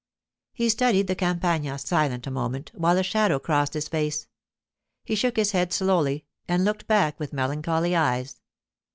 He studied the Campagna, silent, a moment, while a shadow crossed his face. He shook his head slowly and looked back with melancholy eyes.